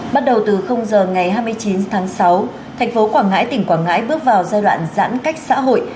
bắt đầu từ giờ ngày hai mươi chín tháng sáu thành phố quảng ngãi tỉnh quảng ngãi bước vào giai đoạn giãn cách xã hội